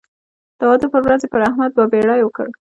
د واده پر ورځ یې پر احمد بابېړۍ وکړ.